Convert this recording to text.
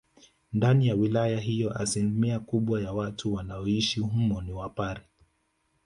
Ndani ya wilaya hiyo asilimia kubwa ya watu wanaoishi humo ni wapare